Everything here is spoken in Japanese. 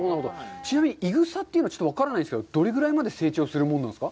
ちなみにいぐさというのは、分からないんですけど、どれぐらいまで成長するものなんですか。